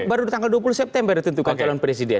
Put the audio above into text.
baru tanggal dua puluh september ditentukan calon presiden